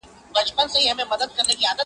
که ژوند راکوې,